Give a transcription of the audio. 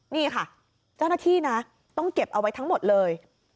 นี่ค่ะเจ้าหน้าที่นะต้องเก็บเอาไว้ทั้งหมดเลย